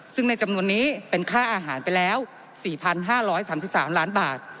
ซึ่งในจำนวนนี้เป็นค่าอาหารไปแล้ว๔๕๓๓ล้านบาท